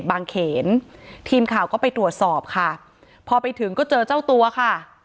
เขนทีมข่าวก็ไปตรวจสอบค่ะพอไปถึงก็เจอเจ้าตัวค่ะ